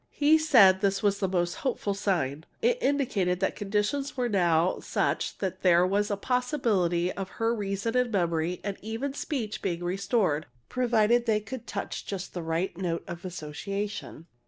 He said this was a most hopeful sign it indicated that conditions were now such that there was a possibility of her reason and memory and even speech being restored, provided they could touch just the right note of association.